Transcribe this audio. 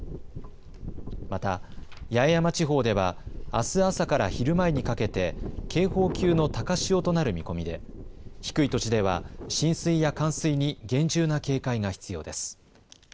また八重山地方ではあす朝から昼前にかけて警報級の高潮となる見込みで低い土地では浸水や冠水に厳重な警戒が必要です。